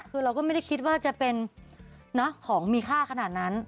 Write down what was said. คือเราก็ไม่ได้คิดว่าจะเป็นของมีค่าขนาดนั้น